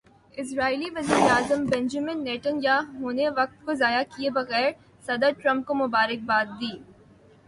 اسرائیلی وزیر اعظم Benjamin Nitin Yahoo نے وقت ضائع کیے بغیر صدر ٹرمپ کو مبارک باد دی۔